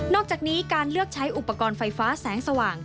อกจากนี้การเลือกใช้อุปกรณ์ไฟฟ้าแสงสว่าง